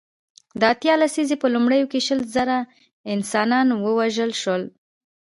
د اتیا لسیزې په لومړیو کې شل زره انسانان ووژل شول.